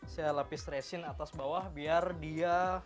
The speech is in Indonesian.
saya lapis resin atas bawah biar dia